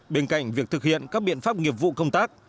bên cạnh việc thực hiện các biện pháp nghiệp vụ công tác